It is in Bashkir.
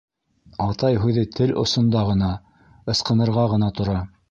«Атай» һүҙе тел осонда ғына, ысҡынырға ғына тора.